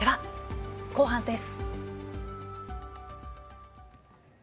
後半です。